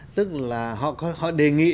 tức là họ đề nghị